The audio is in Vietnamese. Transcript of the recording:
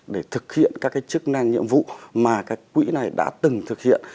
để thực hiện các chức năng nhiệm vụ mà các quỹ này đã từng thực hiện